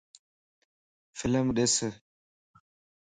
فلم ڏس